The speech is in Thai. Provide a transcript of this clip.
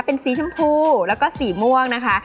เป็นสีชมพูแล้วก็สีม่วงนะคะ